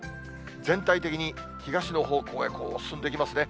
全体的に東の方向へ進んできますね。